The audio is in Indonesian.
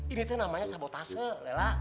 ini namanya sabotase lela